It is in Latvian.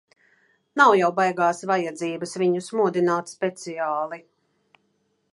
Nav jau baigās vajadzības viņus modināt speciāli.